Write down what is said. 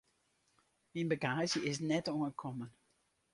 Myn bagaazje is net oankommen.